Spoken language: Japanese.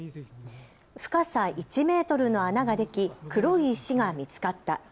深さ１メートルの穴ができ黒い石が見つかった。